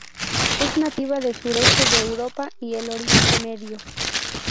Es nativa de sureste de Europa y el Oriente Medio.